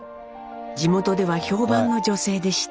地元では評判の女性でした。